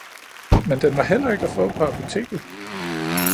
Men den var heller ikke at få på apoteket.